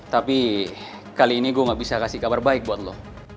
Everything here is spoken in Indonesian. tapi kali ini gue gak bisa kasih kabar baik buat lo